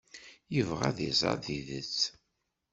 Yebɣa ad iẓer tidet.